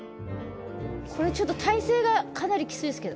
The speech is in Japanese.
これちょっと体勢がかなりきついですけど。